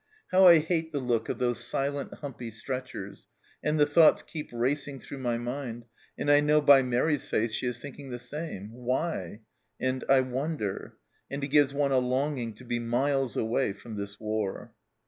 How I hate the look of those silent, humpy stretchers and the thoughts keep racing through my mind, and I know by Mairi's face she is thinking the same !' Why ?' and ' I wonder '; and it gives one a longing to be miles away from this war.